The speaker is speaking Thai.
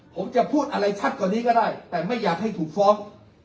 ผมจะพูดอะไรชัดกว่านี้ก็ได้แต่ไม่อยากให้ถูกฟ้อง